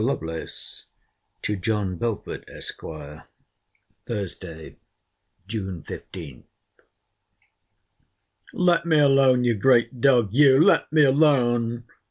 LOVELACE, TO JOHN BELFORD, ESQ. THURSDAY, JUNE 15. Let me alone, you great dog, you!—let me alone!